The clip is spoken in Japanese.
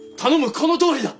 このとおりだ。